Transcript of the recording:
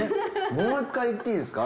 もう一回言っていいですか？